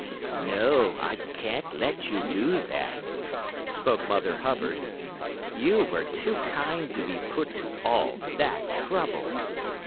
"No. I can't let you do that," spoke Mother Hubbard. "You were too kind to be put to all that trouble.